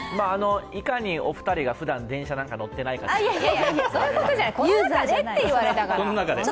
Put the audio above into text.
いかにお二人がふだん電車なんか乗ってないかってことですね。